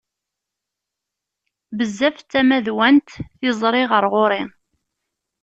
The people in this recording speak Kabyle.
Bezzaf d tamadwant tiẓri ɣer ɣur-i.